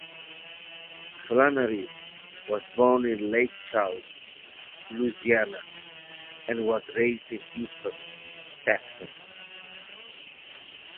Flanery was born in Lake Charles, Louisiana, and was raised in Houston, Texas.